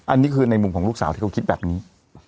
อันนี้คือในมุมของลูกสาวที่เขาคิดแบบนี้